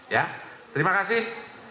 ya terima kasih